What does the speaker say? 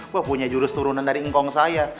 gue punya jurus turunan dari ngkong saya